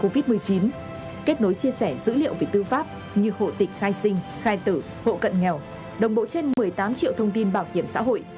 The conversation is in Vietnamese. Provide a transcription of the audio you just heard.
covid một mươi chín kết nối chia sẻ dữ liệu về tư pháp như hộ tịch khai sinh khai tử hộ cận nghèo đồng bộ trên một mươi tám triệu thông tin bảo hiểm xã hội